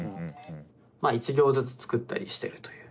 まあ１行ずつ作ったりしてるという。